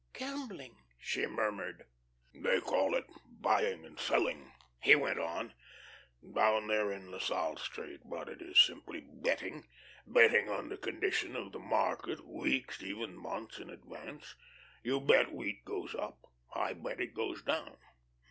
"Gambling!" she murmured. "They call it buying and selling," he went on, "down there in La Salle Street. But it is simply betting. Betting on the condition of the market weeks, even months, in advance. You bet wheat goes up. I bet it goes down.